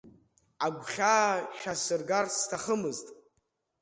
Агәхьаа шәасыргар сҭахымызт.